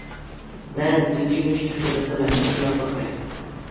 مەن تىل ئۆگىنىشكە قىزىقىمەن سىناپ باقاي.